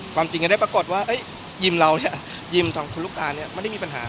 ความจริงก็ได้ปรากฏว่ายิมเราเนี่ยยิมทางคุณลูกตาเนี่ยไม่ได้มีปัญหา